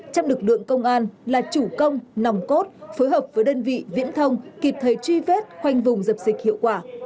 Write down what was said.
trong lực lượng công an là chủ công nòng cốt phối hợp với đơn vị viễn thông kịp thời truy vết khoanh vùng dập dịch hiệu quả